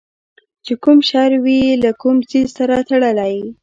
چې کوم شر وي له کوم څیز سره تړلی